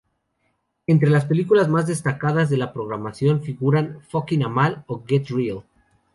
Entre las películas más destacadas de la programación figuran "Fucking Amal" o "Get Real".